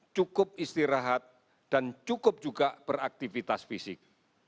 cukup istirahat dan cukup juga beraktivitas fisik